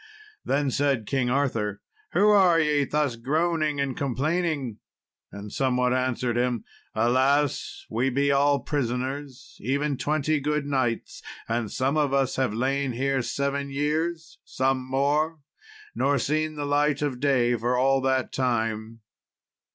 Then said King Arthur, "Who are ye, thus groaning and complaining?" And some one answered him, "Alas, we be all prisoners, even twenty good knights, and some of us have lain here seven years some more nor seen the light of day for all that time."